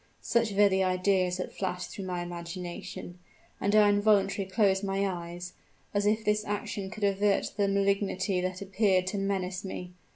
Such were the ideas that flashed through my imagination; and I involuntarily closed my eyes, as if this action could avert the malignity that appeared to menace me.